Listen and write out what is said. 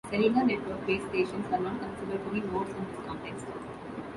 Cellular network base stations are not considered to be nodes in this context.